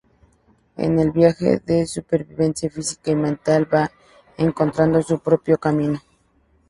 En el viaje de supervivencia física y mental va encontrando su propio camino.